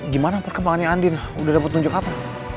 gimana perkembangannya andin udah dapat tunjuk apa